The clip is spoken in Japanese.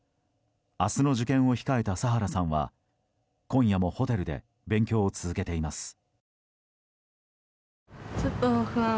明日の受験を控えた佐原さんは今夜もホテルで勉強を続けています。